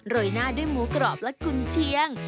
ยหน้าด้วยหมูกรอบและกุญเชียง